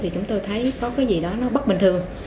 chúng tôi thấy có gì đó bất bình thường